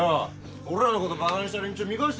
俺らのことバカにした連中見返してやるべ！